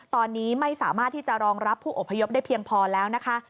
ตอนนี้ไม่สามารถที่จะรองรับผู้อพยพได้เพียงพอแล้วนะคะ